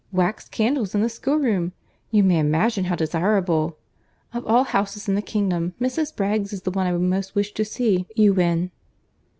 Wax candles in the schoolroom! You may imagine how desirable! Of all houses in the kingdom Mrs. Bragge's is the one I would most wish to see you in."